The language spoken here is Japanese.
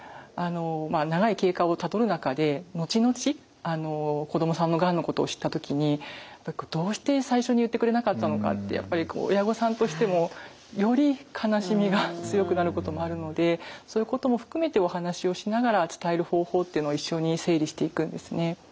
長い経過をたどる中で後々子供さんのがんのことを知った時にどうして最初に言ってくれなかったのかってやっぱり親御さんとしてもより悲しみが強くなることもあるのでそういうことも含めてお話をしながら伝える方法っていうのを一緒に整理していくんですね。